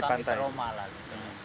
soalnya kami trauma lagi